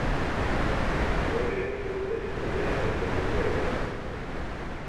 Salió del Club Estudiantes de Mercedes.